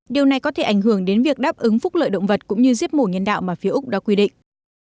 điều này có thể ảnh hưởng đến việc đáp ứng phúc lợi động vật cũng như giết mổ nhân đạo mà phía úc đã quy định